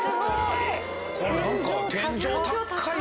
これ何か天井高いよね。